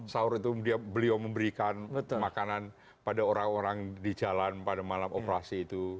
sahur itu beliau memberikan makanan pada orang orang di jalan pada malam operasi itu